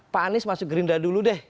pak anies masuk gerindra dulu deh